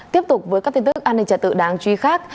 tiếp tục với các tin tức an ninh trả tự đáng truy khác